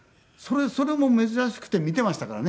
それも珍しくて見ていましたからね